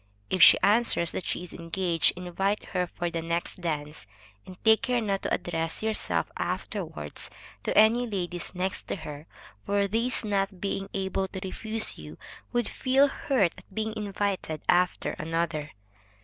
If she answers that she is engaged, invite her for the next dance, and take care not to address yourself afterwards to any ladies next to her, for these not being able to refuse you, would feel hurt at being invited after another.